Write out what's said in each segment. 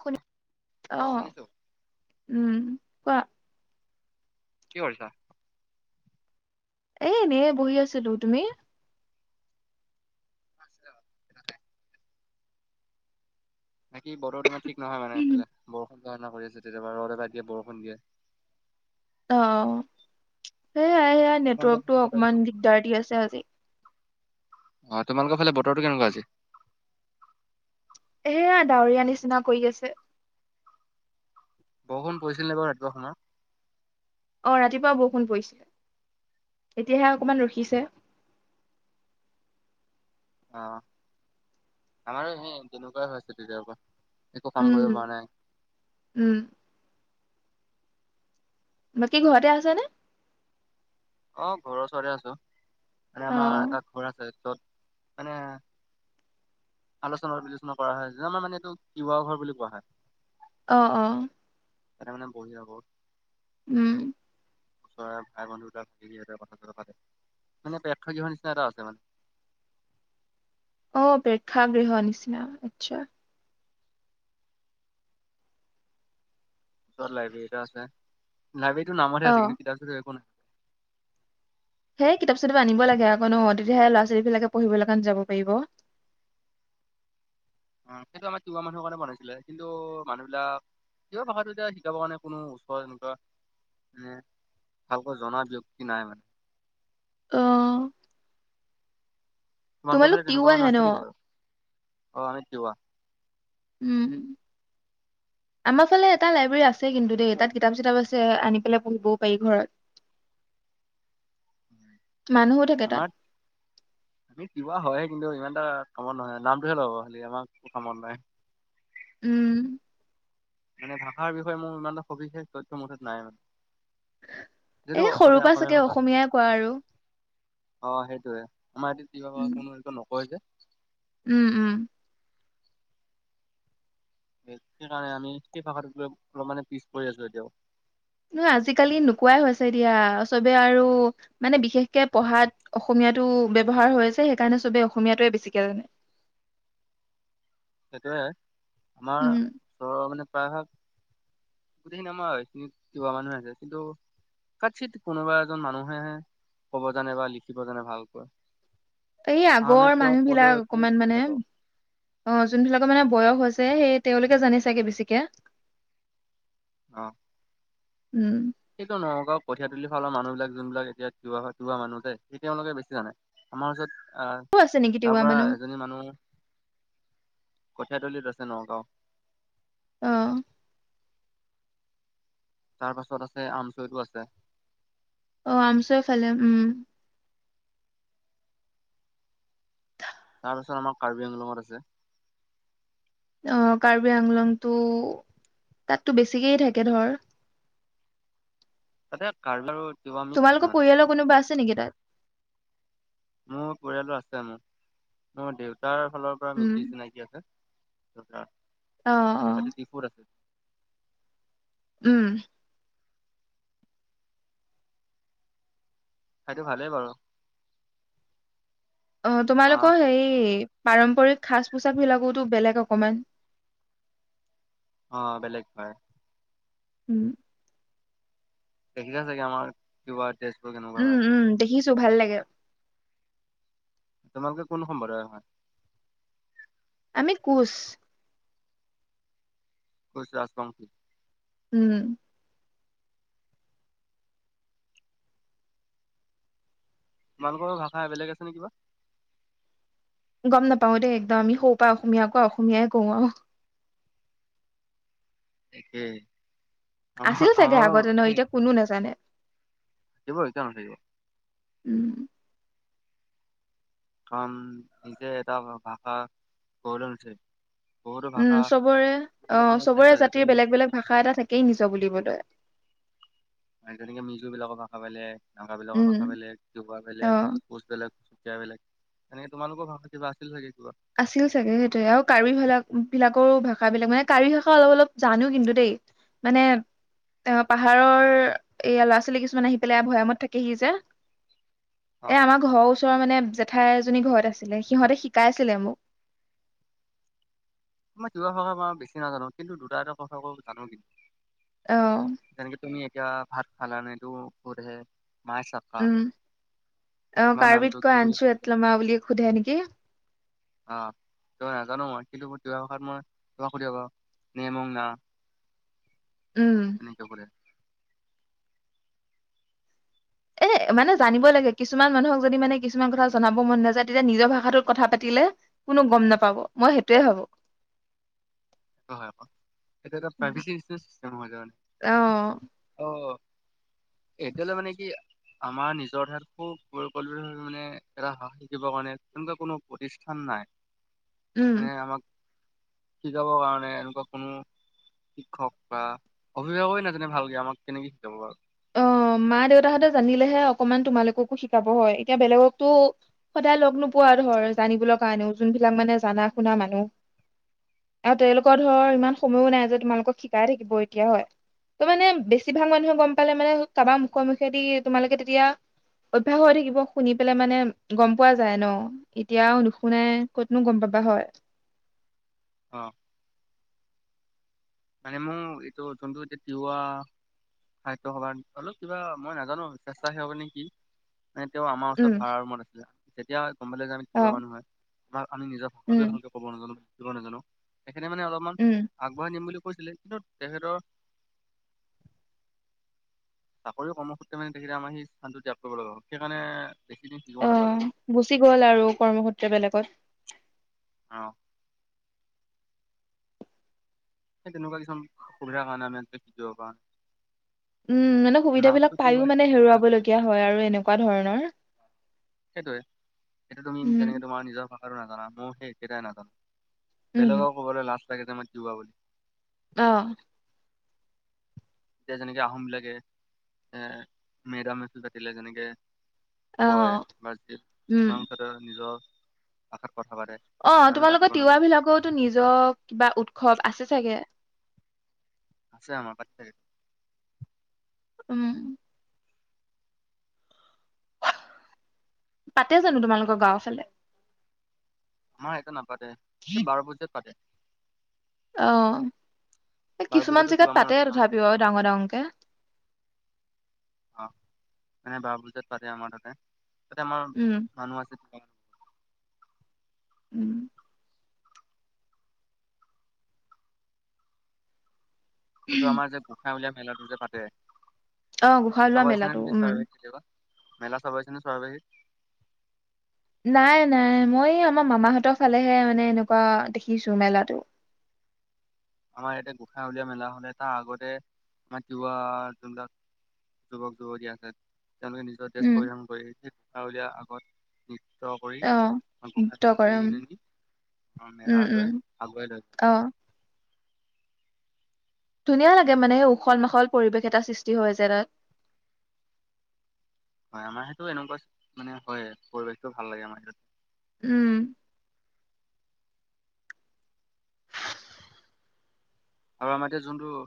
শুনি অ অহ শুনিছো উম কোৱা কি কৰিছা এই এনে বহি আছিলো তুমি নেকি বৰৰ ই মা নহয় মানে এইফালে বৰ ধৰণৰ কৰি আছে কেতিয়াবা ৰ'দ এবা দিয়ে বৰষুণ দিয়ে অ সেইয়াই এইয়া তোমালোকৰ ফালে নেটৱৰ্কতটো বতৰ অকমান কেনেকুৱা? দিগদাৰ দি আছে আজি অ তোমালোকৰ ফালে বতৰটো কেনেকুৱা আজি এয়া ডাৱৰীয়া নিচিনা কৰি আছে বৰষুণ পৰিছিল নে বাৰু ৰাতিপুৱা সময়ত অ ৰাতিপুৱা বৰষুণ পৰিছিলে এতিয়াহে অকমান ৰখিছে অ আমাৰো সেই তেনেকুৱাই হৈছে তেতিয়াৰ পৰা একো কাম উম কৰিব পৰা নাই উম বাকী ঘৰতে আছা নে অ ঘৰৰ ওচৰতে আছোঁ মানে অ আমাৰ এটা ঘৰ আছে য'ত মানে আলোচনা বিলোচনা কৰা হয় যে আমাৰ মানে এইটো তিৱা ঘৰ বুলি কোৱা হয় অহ, অহ। এ মানে বহিৰ আগত। উম। ওচৰৰে ভাই-বন্ধু এটাক [unintelligible] কথা-চথা পাতে। [unintelligible] পেক্ষা গৃহৰ নিচিনা এটা আছে মানে। অ', প্ৰেক্ষাগৃহ নিচিনা আচ্ছা। ৰ লাইব্ৰেৰীত এটা আছে। লাইবেৰীটো নামত অ আছে কিন্তু কিতাপ চিতাপ একো নাই। হেই কিতাপ চিতাপ আনিব লাগে আকৌ ন? তেতিয়াহে ল'ৰা-ছোৱালী বিলাকে পঢ়িবলৈ কাৰণে যাব পাৰিব। অ', সেইটো আমাৰ তিৱা মানুহৰ কাৰণে বনাইছিলে, কিন্তু মানুহবিলাকে তিৱা ভাষাটো এতিয়া শিকাবৰ কাৰণে কোনো ওচৰ এনেকুৱা মানে ভালকৈ জনা ব্যক্তি নাই মানে। অহ। তোমালোকৰ ফালে তেনেকুৱা মানুহ ন আছিল নেকি বাৰু? অ', আমি তিৱয়াহ। উম, আমাৰ ফালে এটা লাইব্ৰেৰী আছে কিন্তু দেই তাত কিতাপ চিতাপ আছে আনি পেলাই পঢ়িবও পাৰি ঘৰত। মানুহো থাকে তাত আমাৰ আমি তিৱা হয়। কিন্তু ইমান এটা কামত নহয় নামটোহে ল'ব খালি আমাক একো কামত নাই। উম। মানে ভাষাৰ বিষয়ে মোৰ ইমান সবিশেষ তথ্য মুঠাত নাই মানে। এ যিটো সৰুৰ পৰা চাগে অসমীয়া-অসমীয়া ভাষা শ- অসমীয়াই কোৱা আৰু অ', সেইটোয়ে আমাৰটো তিৱা উম কোনো একো নকয় যে। উম, উম। সেইকাৰণে আমি সেই ভাষাটোত গৈ অলপ মানে পিছ পৰি আছো এতিয়াও। ন আজিকালি নোকোৱাই হৈছে এতিয়া চবে আৰু মানে বিশেষকে পঢ়াত অসমীয়াটো ব্যৱহাৰ হৈ আছে সেইকাৰণে চবে অসমীয়াটোৱে বেছিকে জানে। সেটোৱে আমাৰ উম ওচৰৰ মানে প্ৰায় ভাগ গোটেইখিনি আমাৰ ইখিনি তিৱা মানুহে আছে। কিন্তু কাট চিত কোনোবা এজন মানুহে আহে ক'ব জানে বা লিখিব জানে ভালকৈ। এই আমি আগৰ তেওঁক মানুহ ক'লেও বিলাক একো অকমান বুজি মানে নাপাওঁ। অ' যোনবিলাকৰ মানে বয়স হৈছে সেই তেওঁলোকে জানি চাগে বেছিকে। অহ। উম। সেইটো নগাওঁ কঠিয়া তুলি ফালৰ মানুহবিলাক যোনবিলাক তিৱা হয়, তিৱা মানুহ যে, সেই তেওলোকে বেচি জানে আমাৰ ওচৰত আহ ক আছে নেকি তাৰ তিৱা পৰা মানুহ এজনী মানুহ কঠিয়াতলিত আছে নগাঁও। অহ। তাৰপাছত আছে আমচৈটো আছে। অ', আমচই ফালে উম। তাৰপিছত আমাৰ কাৰ্বি আংলঙত আছে। অহ কাৰ্বি আংলংতটো তাততো বেছিকেই থাকে ধৰ। তাতে কাৰো তোমালোকৰ পৰিয়ালৰ কোনোবা আ ছে নেকি তাত? মোৰ পৰিয়ালো আছে মোৰ-মোৰ দেউতাৰ ফালৰ পৰা উম মিতি চিনাকি আছে। [unintelligible] অ অ এইটো ডিফুৰ আছে উম। সেটো ভালে বাৰু। অ মা তোমালোকৰ সেই পাৰম্পৰিক সাজ-পোচাকবিলাকোতো বেলেগ অকমান। অ বেলেগ হয়। উম। দেখিচা চাগে আমাৰ কিবাত ডেজবোৰ কেনেকুৱা হয়। খিছো ভাল লাগে। তোমালোকে কোন সম্প্ৰদায়ৰ হয়? আমি কোচ। কোচ ৰাজবংশী। উম। তোমালোকৰ ভাষা বেলেগ আছে নে কিবা? গম নাপাও দেই একদম আমি সৰু পৰা অসমীয়া কোৱা অসমীয়াই কওঁ আও। একেই। আমাৰ আছিল চাগে আমাৰো আগতে নহ এতিয়া কোনো নেজানে। থাকিবই কিয় নাথাকিব। উম। কাৰণ নিজে এটা ভাষা গঢ় লৈ নুঠে। বহুতো ভাষা উম চবৰে বহুতো অ কাৰণত চেঞ্জ চবৰে হৈ যায়। জাতিৰ তুমি বেলেগ বেলেগ ভাষা এটা থাকেই নিজৰ বুলিবলৈ। আৰ যেনেকে মিজু বিলাকৰ ভাষা বেলেগ [unintelligible] নগাবিলাকৰ উম ভাষা বেলেগ, তিৱা অ বেলেগ, কোচ বেলেগ। চুতীয়া বেলেগ তেনেকে তোমালোকৰ ভাষা কিবা আছিল চাগে। কিবা? আছিল চাগে সেইটোৱে আৰু কাৰ্বি ভালাক বিলাকৰো ভাষা বিলাক মানে কাৰ্বি ভাষা অলপ অলপ জানো কিন্তু দেই, মানে এ পাহাৰৰ এইয়া ল'ৰা ছোৱালী কিছুমান আহি পেলাই ভৈয়ামত থাকেহি যে। অ এ আমাৰ ঘৰৰ ওচৰৰ মানে ঠাই এজনী ঘৰত আছিলে সিহঁতে শিকাই ছিলে মোক। আমাৰ তিৱা ভাষা মা বেছি নাজানো কিন্তু দুটা এটা কথা ক'ব জানো কিন্তু। আ অ যেনেকে তুমি এতিয়া ভাত খালানেটো সুধে? উম, অ তোমাৰ নামটো কাৰ্বিত কি কয় বুলি আনছো সুধিলে এটলমা বুলিয়ে সোধে নেক- কি? আহ তই নাজানো মই কিন্তু তিৱা ভাষাত মই তোমাক সুধিব নে মোং না। উম কিন্তু কৰে। এ মানে জানিব লাগে, কিছুমান মানুহক যদি মানে কিছুমান কথা জনাব মন নাযায়, তেতিয়া নিজৰ ভাষাটোত কথা পাতিলে কোনো গম নাপাব মই সেইটোয়ে ভাবো। হয় আক, এইটো এটা প্ৰাইভেচি নিচিনা চিষ্টেম হৈ যায় মানে, অ অঁ এতিয়ালৈ মানে কি আমাৰ নিজৰ ঠাইত [unintelligible] মানে এটা [unintelligible] শিকিবৰ কাৰণে তেনেকুৱা কোনো প্ৰতিষ্ঠান নাই। উম মানে আমাক শিকাব কাৰণে মানে এনেকুৱা কোনো শিক্ষক বা অভিভাৱকে নাজানে ভালকে আমাক কেনেকে শিকাব বাৰু। অ মা দেউতাহঁতে জানিলেহে অকমান তোমালোককো শিকাব হয় এতিয়া বেলেগকতো সদায় লগ নোপোৱা ধৰ জানিবলৈ কাৰণেও যোনবিলাক মানে জানা শুনা মানুহ আৰু তেওঁলোকৰ ধৰ ইমান সময়ো নাই যে তোমালোকক শিকাই থাকিব এতিয়া হয়, ত মানে বেছিভাগ মানুহে গম পালে মানে কাৰোবাৰ মুখে মুখেদি তোমালোকে তেতিয়া, অভ্যাস হৈ থাকিব শুনি পেলাই মানে গম পোৱা যায় ন, এতিয়া আৰু নুশুনাই ক'তনো গম পাবা হয়। অঁ মানে মোৰ এইটো যোনটো এতিয়া তিৱা, সাহিত্য সভাৰ অলপ কিবা মই নাজানো স্বেচ্ছাসেৱক নে কি? ন তেওঁ আমাৰ ওচৰত উম ভাড়া ৰুমত আছিলে তেতিয়া গম পালে যে আমি অ তিৱা মানুহ হয়, আমাৰ আমি নিজৰ উম ভষাটোৱে ভালকে কব নাজানো [unintelligible] নাযানো সেইকাৰণে মানে অলপমান উম আগবঢ়াই নিম বুলি কৈছিলে কিন্তু তেহেতৰ চাকৰিও কৰ্ম সূত্ৰে মে তেখেতে আমাৰ সেই স্হানটো ত্যাগ কৰিব লগা হ'ল সেইকাৰণে বেছি দিন শিকিব নাপালো। অঁ, গুচি গ'ল আৰু কৰ্মসূত্ৰ বলেকত আহহ সেই তেনেকুৱা কিছুমান অসুবিধা কাৰণে আমি [unintelligible] উম মানে নামটো সুবিধাাবিলাক কি পায়ো হয় মানে মই নাজানো। হেৰুৱাবলগীয়া হয় আৰু এনেকুৱা ধৰণৰ সেইটোৱে সেইটো তুমি উম যেনেকে তোমাৰ নিজৰ কাম আৰু নাযানা মোৰ হে একেতাই নাযানো বাট উম বেলেগক ক'বলে লাষ্ট [unintelligible] যোৱা বুলি আহ এতিয়া যেনেকে আহোমবিলাকে, এ মেডাম মে ফি পাতিলে যেনেকে কয় অ' [unintelligible] কিছুমান কথা নিজৰ [inaudible] আ অঁ তোমালোকৰ তিৱাবিলাকতো, নিজৰ কিবা উৎসৱ আছে চাগে? আছে আমাৰ [unintelligible] উম [inaudible] পাতে জানো তোমালোকৰ গাঁওৰ ফালে আমাৰ সেনকে নাপাতে, এ বাৰ বইচাত পাতে আ, বাৰ কিছুমান পূজাতো জেগাত দুবাৰমান পাতে আছে আমাৰ তথাপিও আও ডাঙৰ ডাঙৰকে অ মানে বাও পূজাত পাতে আমাৰ তাতে তাতে আমাৰ উম মানুহ আছে [unintelligible] উম এইটো আমাৰ যে পোসাই উল মিলাটো যে পাতে অ গোঁহা লোৱা চাব আহিছা নে মেলাতটো তুমি উম চৰাইবাহীত কেতিয়াবা মেলা চবাইছে ন স্বাৱাহিক নাই নাই মই আমাৰ মামাহঁতৰ ফালেহে মানে এনেকুৱা দেখিছো মেলাটো আমাৰ ইয়াতে গোঁসাঁই উলিয়া মেলা হলে তাৰ আগতে আমাৰ তিৱা যোনবিলাক যুৱক যুৱতী আছে তেওঁলোকে নিজৰ দেশ উম পৰিধান কৰি হ দিয় আ কৰি অ' নৃত্য গোসাত কৰে আতৰি উম নিনি আহ উম উম মেলালৈ আগুৱাই লৈ যায় অ' ধুনীয়া লাগে মানে সেই উখল মাখল পৰিৱেশ এটা সৃষ্টি হয় যে ত হয় আমাৰ সেইটো এনেকুৱা মানে হয় পৰিৱেশটো ভাল লাগে আমাৰ সতে উম আৰু আমাৰ এতিয়া যোনটো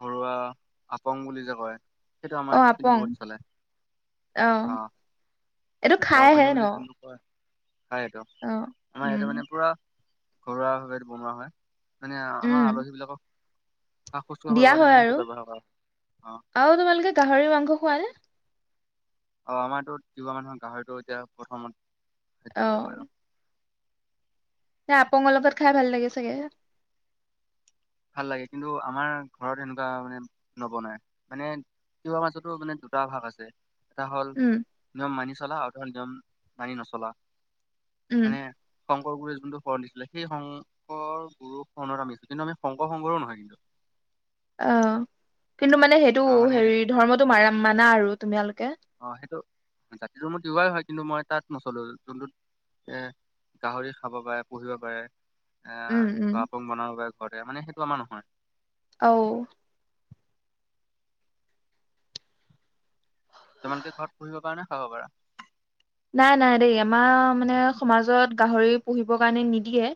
ঘৰুৱা আপং বুলি যে কয় সেইটো অ আমাৰ কিন্তু আপং বহুত চলে আহ এইটো লাও খাইহে পানী ন বুলি কোনটো কয় খ সটো অ আমাৰ ইয়াতে উম মানে পুৰা ঘৰুৱাভাৱে বনোৱা হয় মানে উম আমাৰ আলহী বিলাকক সা শুশ্ৰূষা কৰিবৰ দিয়া কাৰণে হয় মানে সেইটো আৰু ব্যৱহাৰ কৰা হয় অ আৰু তোমালোকে গাহৰি মাংস খোৱা নে অ আমাৰতো কিবা মানুহৰ গাহৰিটো এতিয়া প্ৰথমত অ সেইটা বুলি কয় ন আপং অলপত খাই ভাল লাগে চাগে ভাল লাগে কিন্তু আমাৰ ঘৰত এনেকুৱা মানে নবনায় মানে তিৱাৰ মাজতো মানে দুটা ভাগ আছে এটা হ'ল উম ন মানিছ চলা আঘ য নানী নচলা উম মানে শংকৰ গুৰুে যোনটো শণ দিছিলে সেই শংকৰ গুৰুৰ শৰণত আছিল কিন্তু আমি শংকৰ শংকৰো নহয় কিন্তু আহ কিন্তু মানে সেইটো আমাৰ মানে হেৰি ধৰ্মটো মাৰ মানা আৰু তুমিালোকে অ সেইটো জাতিটো ম ৱাই হয় কিন্তু মই তাত নচলো যোনটোত এ গাহৰি খাব পাৰে পুহিব পাৰে আহ উম উম পাপ বনাব ব ঘৰতে মানে সেইটো আমাৰ নহয় অঔ তোমালোকে ঘৰত পুহিবৰ কাৰণে খাব পাৰা নাই নাই দেই আমাৰ মানে সমাজত গাহৰি পুহিবৰ কাৰণে নিদিয়ে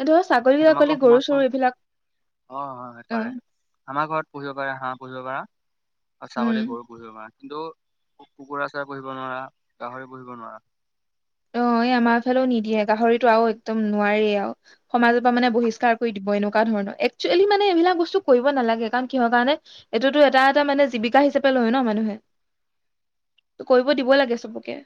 এই ধৰ ছাগলী সেই তাগলী তোমালোকৰ গৰু চৰু সমাজখন এইবিলাক অঁ অ সেইটোৰে আমাৰ ঘৰত পঢ়িব পাৰা হাঁ পঢ়িব পাৰা অঁ উম ছাগলি, গৰু পুহিব পাৰা কিন্তু কুকুৰা চহৰা পুহিব নোৱাৰা গাহৰি পুহিব নোৱাৰা অঁ এই আমাৰফালেও নিদিয়ে গাহৰিতটো আৰু একদম নোৱাৰাৰে আৰু সমাজৰ পৰা মানে বহিষ্কাৰ কৰি দিব এনেকুৱা ধৰণৰ একচুৱেলি মানে এইবিলাক বস্তু কৰিব নালাগে কাৰণ কিহৰ কাৰণে এইটোতো এটা এটা মানে জীৱিকা হিচাপে লয় ন মানুহে কৰিব দিবই লাগে চবকে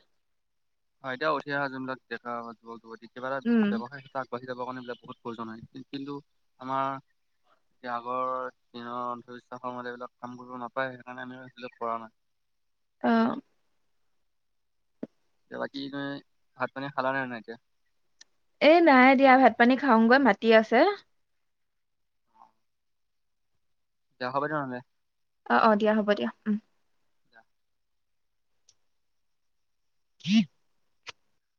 হয় এতিয়া উঠি আহা যোন বিলাক দেকা যুৱক যুৱতীৰ কিব এটা উম ব্যৱসায়িেত আগা়ি যাব কাৰণ বো বহুত প্ৰজনাই কিন্তু আমাৰ এতিয়া আগৰ দিনৰ অন্ধবিশ্বাসৰ মাজ এইবিলাক কাম কৰিব নাপায় সেইকাৰণে আমি আহিল কৰা নাই অঁ বাকি তুমি ভাত পানী খালা নাই এতিয়া এ নাই দিয়া ভাত পানী খাওগৈ মাতি আছে দেখাব অঁ অঁ দিয়া হ'ব দিয়া উম দা [inaudible] [unintelligible]